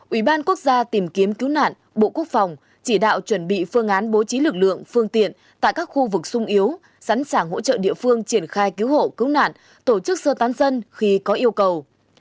ủy ban quốc gia tìm kiếm cứu nạn bộ quốc phòng chỉ đạo chuẩn bị phương án bố trí lực lượng phương tiện tại các khu vực sung yếu sẵn sàng hỗ trợ địa phương triển khai cứu hộ cứu nạn tổ chức sơ tán dân khi có yêu cầu